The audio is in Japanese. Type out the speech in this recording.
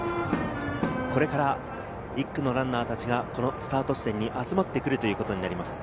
これから１区のランナーたちがこのスタート地点に集まってくるということになります。